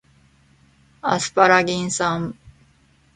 アスパラギン酸